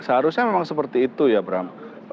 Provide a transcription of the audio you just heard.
seharusnya memang seperti itu ya bram